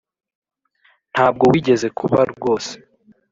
Ntabwo wigeze kuba rwose.